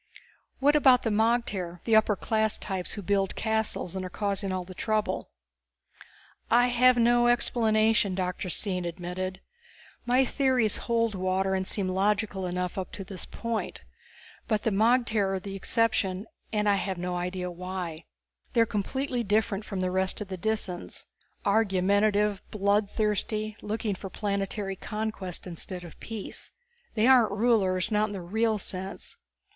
"What about the magter, the upper class types who build castles and are causing all this trouble?" "I have no explanation," Dr. Stine admitted. "My theories hold water and seem logical enough up to this point. But the magter are the exception, and I have no idea why. They are completely different from the rest of the Disans. Argumentative, blood thirsty, looking for planetary conquest instead of peace. They aren't rulers, not in the real sense.